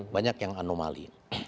banyak yang anomali